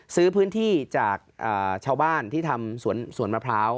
ซื้อพื้นที่จากชาวบ้านที่ทำสวนมะพร้าว